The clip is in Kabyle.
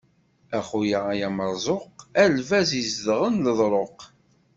A xuya ay ameṛẓuq, a lbaz izedɣen leḍṛuq.